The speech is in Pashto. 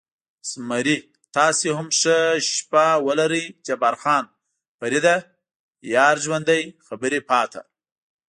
زمري: تاسې هم ښه شپه ولرئ، جبار خان: فرېډه، یار ژوندی، خبرې پاتې.